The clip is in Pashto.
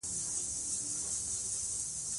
موږ ته د ادبياتو په اړه نوې زاويه راکوي